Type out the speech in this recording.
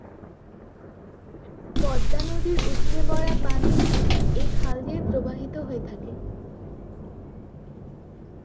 পদ্মা নদীর উপচে পড়া পানি এ খাল দিয়ে প্রবাহিত হয়ে থাকে।